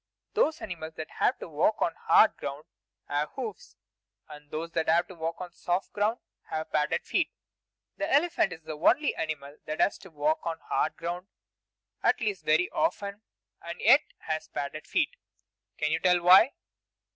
Those animals that have to walk on hard ground have hoofs, and those that have to walk on soft ground have padded feet. The elephant is the only animal that has to walk on hard ground, at least very often, and yet has padded feet. Can you tell why?